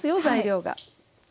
材料が。